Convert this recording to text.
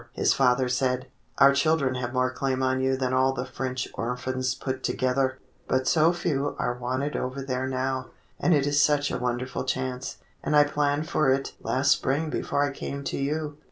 his father said. "Our children have more claim on you than all the French orphans put together." "But so few are wanted over there now, and it is such a wonderful chance; and I planned for it last spring before I came to you."